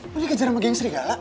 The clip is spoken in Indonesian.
lo dikejar sama geng serigala